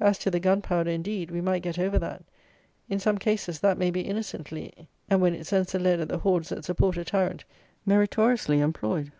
As to the gunpowder, indeed, we might get over that. In some cases that may be innocently, and, when it sends the lead at the hordes that support a tyrant, meritoriously employed.